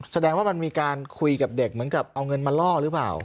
แสดงว่ามันมีการคุยกับเด็กเหมือนกับเอาเงินมาล่อหรือเปล่า